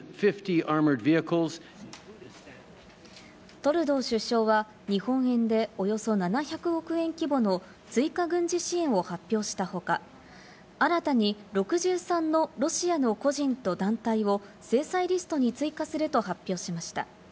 トルドー首相は日本円で、およそ７００億円規模の追加軍事支援を発表した他、新たに６３のロシアの個人と団体を制裁リストに追加すると発表しました。